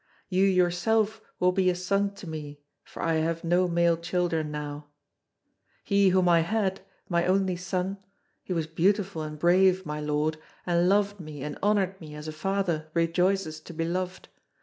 You yourself will be a son to me, for I have no male children now. He whom I had, my only son, he was beautiful and brave, my lord, and loved me and honoured me as a father rejoices to be loved.